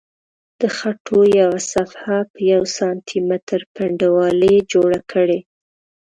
د خټو یوه صفحه په یوه سانتي متر پنډوالي جوړه کړئ.